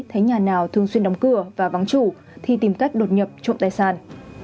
thấy nhà nào thường xuyên đóng cửa và vắng chủ thì tìm cách đột nhập trộm tài sản